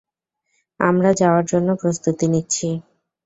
আমরা যাওয়ার জন্য প্রস্তুতি নিচ্ছি!